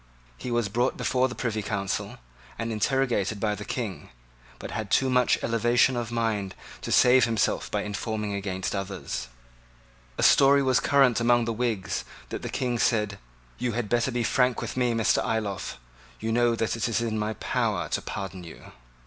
He was brought before the Privy Council, and interrogated by the King, but had too much elevation of mind to save himself by informing against others. A story was current among the Whigs that the King said, "You had better be frank with me, Mr. Ayloffe. You know that it is in my power to pardon you."